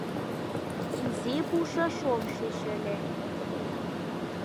Изи пушыш ом шич ыле.